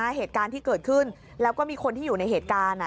เหตุการณ์ที่เกิดขึ้นแล้วก็มีคนที่อยู่ในเหตุการณ์